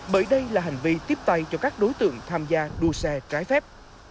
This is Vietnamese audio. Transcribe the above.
bởi đây là hành vi tiếp tay cho các đối tượng tham gia đua xe trái phép